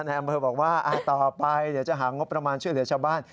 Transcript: ในอำเภอบอกว่าต่อไปเดี๋ยวจะหางบประมาณช่วยเหลือชาวบ้าน